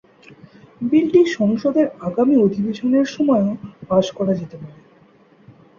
বিলটি সংসদের আগামী অধিবেশনের সময়ও পাস করা যেতে পারে।